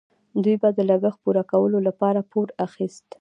دوی به د لګښت پوره کولو لپاره پور اخیست.